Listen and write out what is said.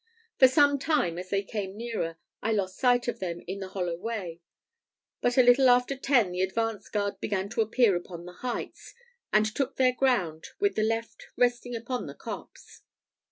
For some time, as they came nearer, I lost sight of them in the hollow way; but a little after ten the advance guard began to appear upon the heights, and took their ground with the left resting upon the copse.